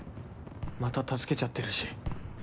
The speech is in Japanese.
また助けちゃってるし